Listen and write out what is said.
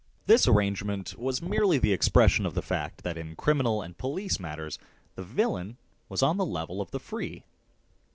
This arrangement was merely the expression of the fact that in criminal and police matters the villain was on the level of the free.